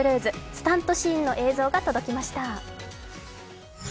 スタントシーンの映像が届きました。